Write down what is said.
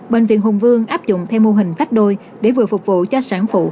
bệnh viện hùng vương áp dụng theo mô hình tách đôi để vừa phục vụ cho sản phụ